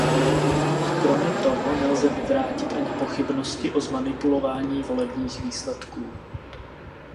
Kromě toho, nelze vyvrátit ani pochybnosti o zmanipulování volebních výsledků.